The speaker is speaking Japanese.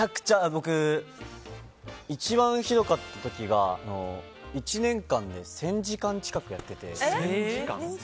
僕、一番ひどかった時が１年間で１０００時間近くやっていて。